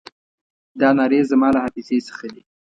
دا نارې زما له حافظې څخه دي.